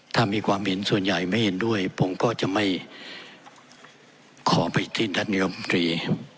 ถ้ามีความเห็นส่วนใหญ่ไม่เห็นด้วยผมก็จะไม่ขอไปที่ท่านนิยมตรี